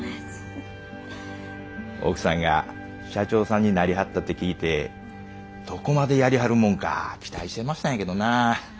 奥さんが社長さんになりはったって聞いてどこまでやりはるもんか期待してましたんやけどな。